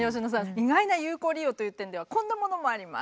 意外な有効利用という点ではこんなものもあります。